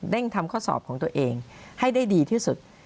ทำข้อสอบของตัวเองให้ได้ดีที่สุด